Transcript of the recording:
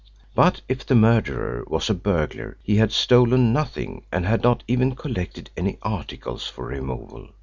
But if the murderer was a burglar he had stolen nothing and had not even collected any articles for removal.